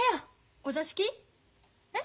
お座敷？えっ？